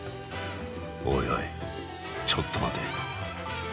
おいおいちょっと待て。